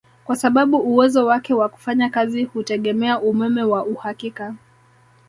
Kwa sababu uwezo wake wa kufanya kazi hutegemea umeme wa uhakika